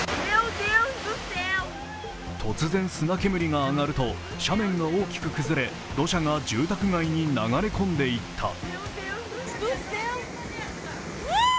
突然、砂煙が上がると斜面が大きく崩れ土砂が住宅街に流れ込んでいった。